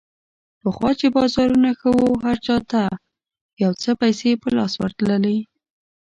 پخوا چې بازارونه ښه وو، هر چا ته یو څه پیسې په لاس ورتللې.